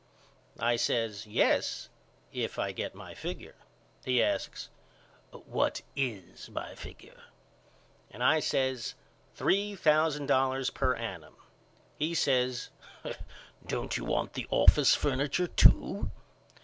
I says Yes if I get my figure. He asks What is my figure and I says three thousand dollars per annum. He says Don't you want the office furniture too?